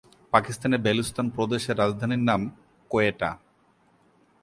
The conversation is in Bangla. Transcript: পাকিস্তানের বেলুচিস্তান প্রদেশের রাজধানীর নাম কোয়েটা।